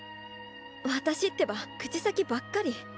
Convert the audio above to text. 私ってば口先ばっかり。